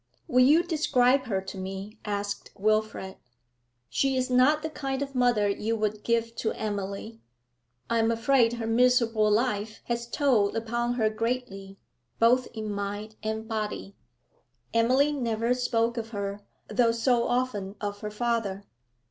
'Will you describe her to me?' asked Wilfrid. 'She is not the kind of mother you would give to Emily. I'm afraid her miserable life has told upon her greatly, both in mind and body.' 'Emily never spoke of her, though so often of her father.'